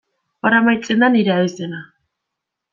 Hor amaitzen da nire abizena.